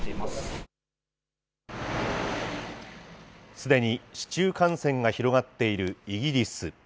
すでに市中感染が広がっているイギリス。